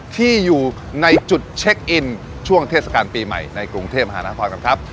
ที่อยู่ในจุดเช็คอินช่วงเทศกาลปีใหม่ในกรุงเทพมหานครกันครับ